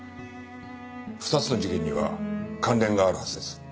２つの事件には関連があるはずです。